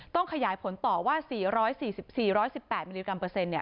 ต้องขยายผลต่อว่า๔๔๑๘มิลลิกรัมเปอร์เซ็นต์